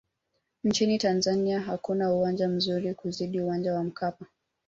nchini tanzania hakuna uwanja mzuri kuzidi uwanja wa mkapa